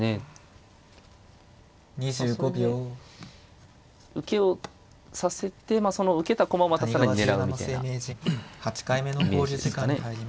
それで受けをさせて受けた駒をまた更に狙うみたいなイメージですかね。